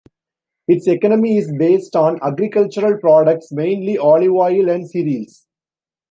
Its economy is based on agricultural products, mainly olive oil and cereals.